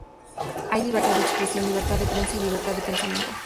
Hay libertad de expresión, libertad de prensa y libertad de pensamiento.